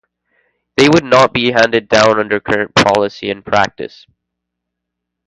They would not be handed down under current policy and practice.